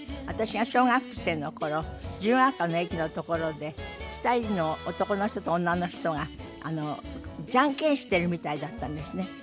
私が小学生の頃自由が丘の駅のところで２人の男の人と女の人がジャンケンしているみたいだったんですね。